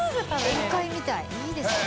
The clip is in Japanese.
宴会みたいいいですね。